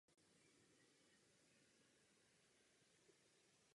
Padl v průběhu Sedmidenní války o Těšínsko.